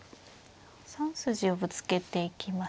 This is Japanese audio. ３筋をぶつけていきましたね。